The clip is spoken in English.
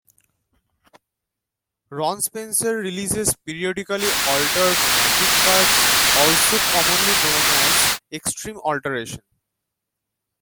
Ron Spencer releases periodically altered Magic cards also commonly known as Extreme Alteration.